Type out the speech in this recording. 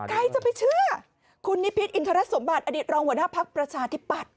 ใครจะไปเชื่อคุณนิพิษอินทรสมบัติอดีตรองหัวหน้าภักดิ์ประชาธิปัตย